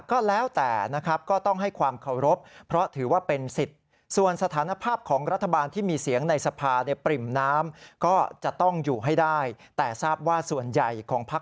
ก็แล้วแต่นะครับก็ต้องให้ความเคารพเพราะถือว่าเป็นสิทธิ์